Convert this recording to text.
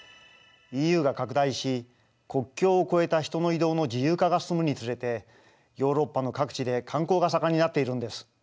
ＥＵが拡大し国境を越えた人の移動の自由化が進むにつれてヨーロッパの各地で観光が盛んになっているんです。